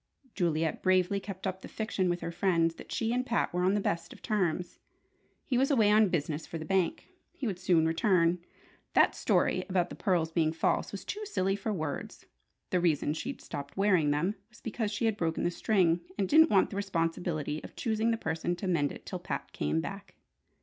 Juliet bravely kept up the fiction with her friends that she and Pat were on the best of terms. He was away on business for the bank. He would soon return. That story about the pearls being false was too silly for words! The reason she'd stopped wearing them was because she had broken the string, and didn't want the responsibility of choosing the person to mend it till Pat came back.